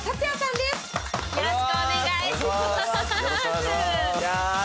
よろしくお願いします。